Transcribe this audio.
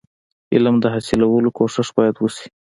علم د حاصلولو کوښښ باید وسي.